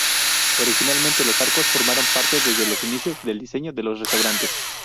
Originalmente, los arcos formaron parte desde los inicios del diseño de los restaurantes.